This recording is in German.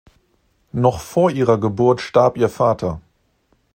Noch vor ihrer Geburt starb ihr Vater.